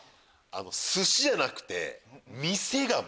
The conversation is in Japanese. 寿司じゃなくて。